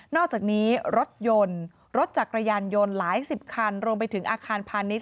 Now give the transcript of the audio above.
อกจากนี้รถยนต์รถจักรยานยนต์หลายสิบคันรวมไปถึงอาคารพาณิชย